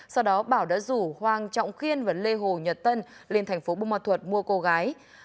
sau đó bảo đã rủ hoàng trọng khiên và lê hồ nhật tân lên thành phố bù ma thuật mua cô gái